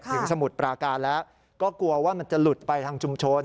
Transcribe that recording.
สมุทรปราการแล้วก็กลัวว่ามันจะหลุดไปทางชุมชน